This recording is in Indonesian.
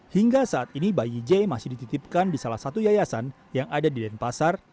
hingga saat ini bayi j masih dititipkan di salah satu yayasan yang ada di denpasar